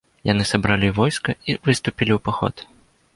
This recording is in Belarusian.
Яны сабралі войска і выступілі ў паход.